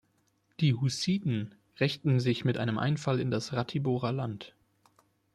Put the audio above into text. Die Hussiten rächten sich mit einem Einfall in das Ratiborer Land.